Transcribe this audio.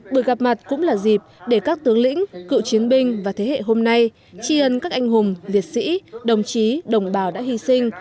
buổi gặp mặt cũng là dịp để các tướng lĩnh cựu chiến binh và thế hệ hôm nay tri ân các anh hùng liệt sĩ đồng chí đồng bào đã hy sinh